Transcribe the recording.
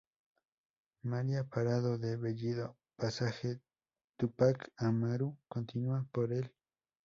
María Parado de Bellido, Pasaje Túpac Amaru, continúa por el Jr.